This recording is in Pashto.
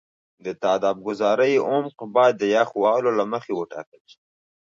د تهداب ګذارۍ عمق باید د یخ وهلو له مخې وټاکل شي